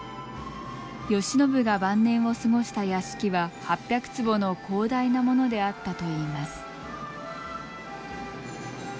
慶喜が晩年を過ごした屋敷は８００坪の広大なものであったといいます。